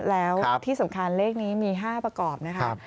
แล้วที่สำคัญเลขนี้มี๕ประกอบนะคะ